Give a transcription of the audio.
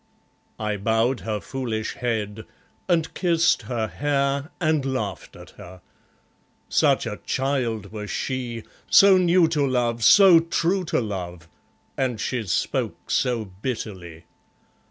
I bowed her foolish head, And kissed her hair and laughed at her. Such a child was she; So new to love, so true to love, and she spoke so bitterly.